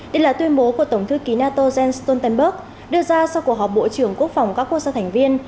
đây là tuyên bố của tổng thư ký nato jens stoltenberg đưa ra sau cuộc họp bộ trưởng quốc phòng các quốc gia thành viên